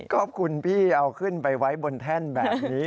ขอบคุณพี่เอาขึ้นไปไว้บนแท่นแบบนี้